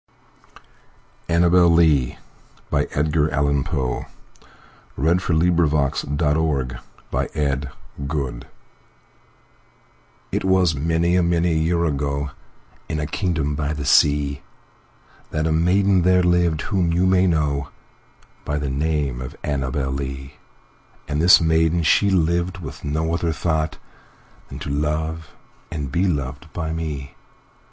erse. 1912. Edgar Allan Poe 1809–1849 Edgar Allan Poe 89 Annabel Lee IT was many and many a year ago, In a kingdom by the sea, That a maiden there lived whom you may knowBy the name of Annabel Lee; And this maiden she lived with no other thoughtThan to love and be loved by me.